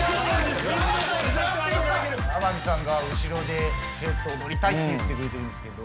天海さんが後ろでしれっと踊りたいって言ってくれてるんすけど。